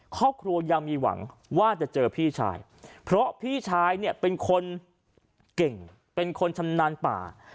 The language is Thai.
ครอบครัวยังมีหวังว่าจะเจอพี่ชายเพราะพี่ชายเนี่ยเป็นคนเก่งเป็นคนชำนาญป่า